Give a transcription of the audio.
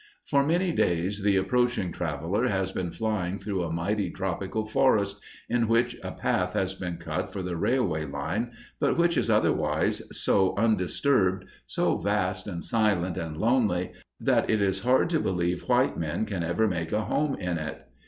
For many days the approaching traveler has been flying through a mighty tropical forest, in which a path has been cut for the railway line, but which is otherwise so undisturbed, so vast and silent and lonely, that it is hard to believe white men can ever make a home in it.